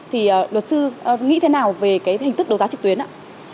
thì luật sư nghĩ thế nào về cái hình thức đấu giá trực tuyến ạ